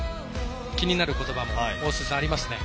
気になる言葉もありますね。